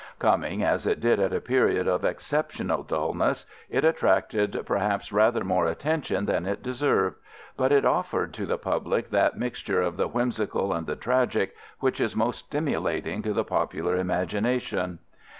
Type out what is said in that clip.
Coming as it did at a period of exceptional dulness, it attracted perhaps rather more attention than it deserved, but it offered to the public that mixture of the whimsical and the tragic which is most stimulating to the popular imagination.